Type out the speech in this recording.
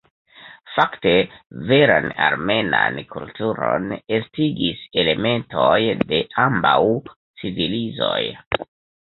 Fakte veran armenan kulturon estigis elementoj de ambaŭ civilizoj.